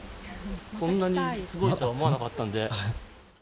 こんなにすごいとは思わなかったんで。